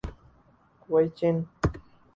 گوئچ ان